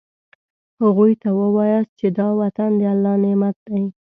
هغوی ته ووایاست چې دا وطن د الله نعمت دی.